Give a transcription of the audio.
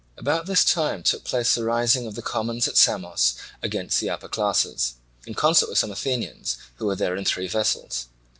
About this time took place the rising of the commons at Samos against the upper classes, in concert with some Athenians, who were there in three vessels.